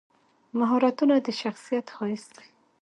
مهارتونه د شخصیت ښایست دی.